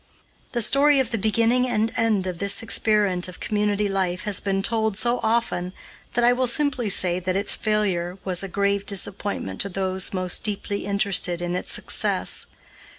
The story of the beginning and end of this experiment of community life has been told so often that I will simply say that its failure was a grave disappointment to those most deeply interested in its success.